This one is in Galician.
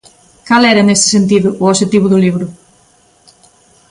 Cal era, nese sentido, o obxectivo do libro?